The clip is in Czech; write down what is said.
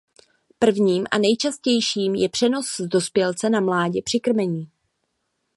Prvním a nejčastějším je přenos z dospělce na mládě při krmení.